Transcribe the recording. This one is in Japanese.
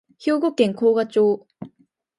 兵庫県神河町